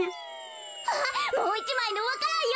あっもう１まいのわか蘭よ！